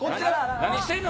何してんの？